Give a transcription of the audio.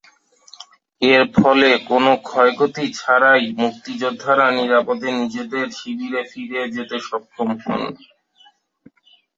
এর ফলে কোনো ক্ষয়ক্ষতি ছাড়াই মুক্তিযোদ্ধারা নিরাপদে নিজেদের শিবিরে ফিরে যেতে সক্ষম হন।